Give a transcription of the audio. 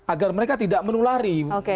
agar mereka tidak menulari